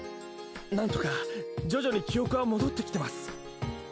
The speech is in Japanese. なんとか徐々に記憶は戻ってきてます。